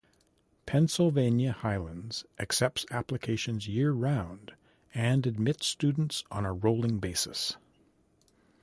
Pennsylvania Highlands accepts applications year round and admits students on a rolling basis.